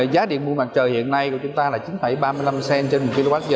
giá điện mua mặt trời hiện nay của chúng ta là chín ba mươi năm cent trên một kwh